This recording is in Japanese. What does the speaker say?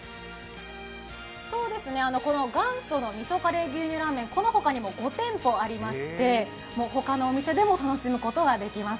そうですね、この元祖の味噌カレー牛乳ラーメン、この他にも５店舗ありまして、他のお店でも楽しむことができます。